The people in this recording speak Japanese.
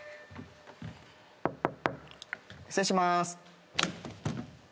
失礼しまーす。